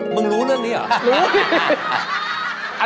รู้เรื่องนี้เหรอ